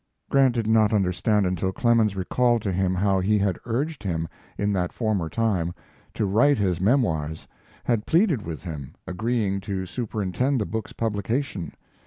Grant did not understand until Clemens recalled to him how he had urged him, in that former time, to write his memoirs; had pleaded with him, agreeing to superintend the book's publication.